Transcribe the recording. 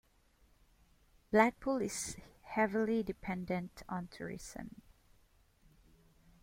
Blackpool is heavily dependent on tourism.